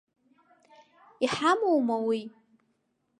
Иҳамоума уи?